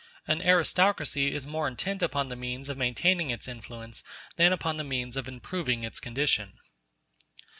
An aristocracy is more intent upon the means of maintaining its influence than upon the means of improving its condition.